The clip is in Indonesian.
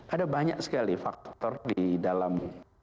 ada banyak sekali faktor di dalam